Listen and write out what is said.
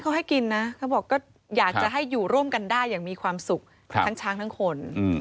เขาให้กินนะเขาบอกก็อยากจะให้อยู่ร่วมกันได้อย่างมีความสุขทั้งช้างทั้งคน